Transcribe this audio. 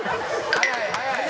早い早い！